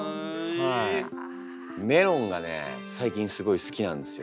メロンがね最近すごい好きなんですよ。